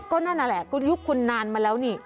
ก็นั่นอะแหละยุคคุณนานมาแล้วนี่